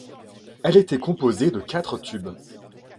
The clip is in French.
Elle était composée de quatre tubes.